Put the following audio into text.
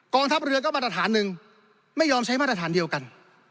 ทัพเรือก็มาตรฐานหนึ่งไม่ยอมใช้มาตรฐานเดียวกัน